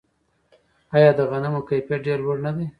آیا د غنمو کیفیت ډیر لوړ نه دی؟